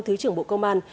thứ trưởng bộ công an